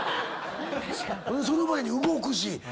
その前に動くし。